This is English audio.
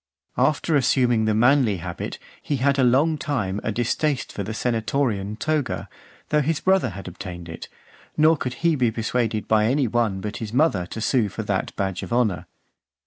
After assuming the manly habit, he had a long time a distaste for the senatorian toga, though his brother had obtained it; nor could he be persuaded by any one but his mother to sue for that badge of honour.